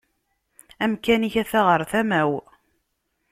Amkan-ik ata ɣer tama-w